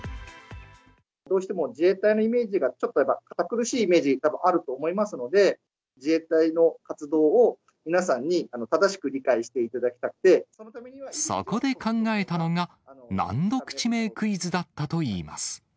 どうしても自衛隊のイメージが、ちょっとやっぱ堅苦しいイメージ、たぶんあると思いますので、自衛隊の活動を皆さんに正しく理解していただきたくて、そのためそこで考えたのが、難読地名クイズだったといいます。